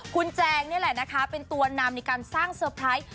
คุณแจงนี่แหละนะคะเป็นตัวนำในการสร้างเซอร์ไพรส์